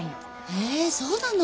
へえそうなの。